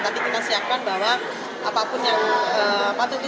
tapi kita siapkan bahwa apapun yang patut